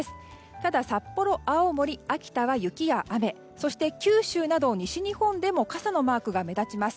ただ札幌、青森、秋田は雪や雨そして、九州など西日本でも傘のマークが目立ちます。